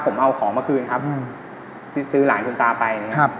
ผมเอาของมาคืนครับซื้อหลานคุณตาไป